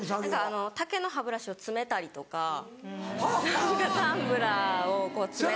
竹の歯ブラシを詰めたりとかタンブラーを詰めたりとか。